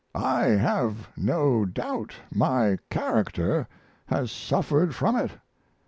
I have no doubt my character has suffered from it.